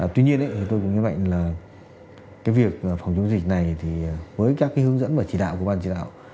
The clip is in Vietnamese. tuy nhiên tôi cũng nhấn mạnh là cái việc phòng chống dịch này thì với các cái hướng dẫn và chỉ đạo của ban chỉ đạo